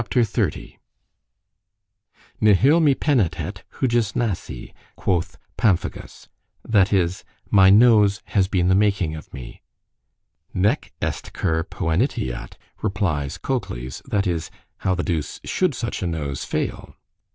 XXX "NIHIL me paenitet hujus nasi," quoth Pamphagus;——that is—"My nose has been the making of me."——"Nec est cur poeniteat," replies Cocles; that is, "How the duce should such a nose fail?"